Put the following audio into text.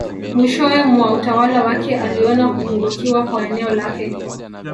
Mwishowe mwa utawala wake aliona kupungukiwa kwa eneo lake